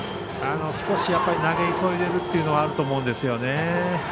少し投げ急いでいるというのはあると思うんですよね。